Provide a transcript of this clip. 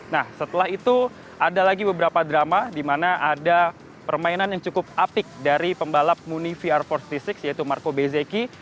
nah setelah itu ada lagi beberapa drama di mana ada permainan yang cukup apik dari pembalap muni vr empat puluh enam yaitu marco bezeki